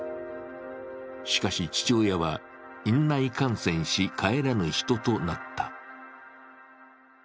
しかし、父親は院内感染し帰らぬ人となった。